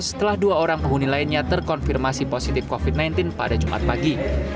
setelah dua orang penghuni lainnya terkonfirmasi positif covid sembilan belas pada jumat pagi